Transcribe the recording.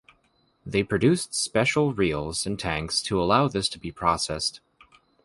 They produced special reels and tanks to allow this to be processed.